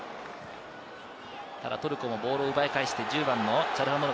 ただトルコもボールを奪い返して、チャルハノール。